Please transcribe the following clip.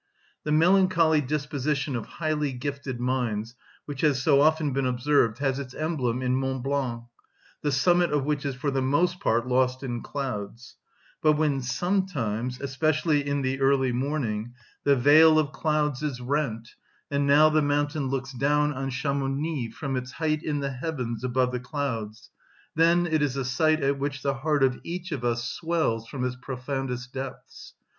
The melancholy disposition of highly gifted minds which has so often been observed has its emblem in Mont Blanc, the summit of which is for the most part lost in clouds; but when sometimes, especially in the early morning, the veil of clouds is rent and now the mountain looks down on Chamounix from its height in the heavens above the clouds, then it is a sight at which the heart of each of us swells from its profoundest depths.